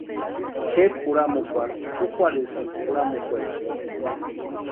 Kʼeri juramukwarhu úkwarhisïnti juramukwecha.